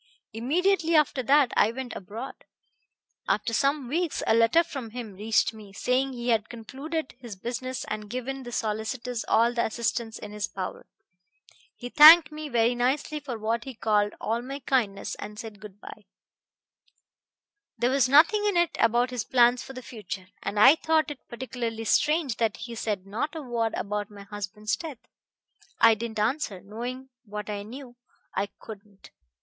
Immediately after that I went abroad. After some weeks a letter from him reached me, saying he had concluded his business and given the solicitors all the assistance in his power. He thanked me very nicely for what he called all my kindness, and said good by. There was nothing in it about his plans for the future, and I thought it particularly strange that he said not a word about my husband's death. I didn't answer. Knowing what I knew, I couldn't.